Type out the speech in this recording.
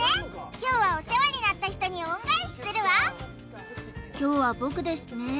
今日はお世話になった人に恩返しするわ凶は僕ですね